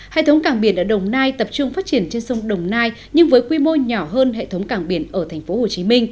hệ thống cảng biển ở đồng nai tập trung phát triển trên sông đồng nai nhưng với quy mô nhỏ hơn hệ thống cảng biển ở tp hcm